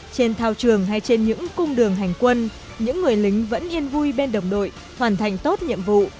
trên thao trường hay trên những cung đường hành quân những người lính vẫn yên vui bên đồng đội hoàn thành tốt nhiệm vụ